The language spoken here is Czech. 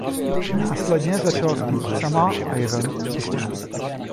Následně začala zpívat sama a je velmi úspěšná.